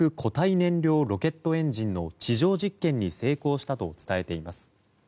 燃料ロケットエンジンの地上実験に成功したと伝えています。